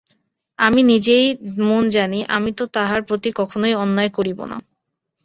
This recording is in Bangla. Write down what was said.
আমি নিজের মন জানি, আমি তো তাহার প্রতি কখনোই অন্যায় করিব না।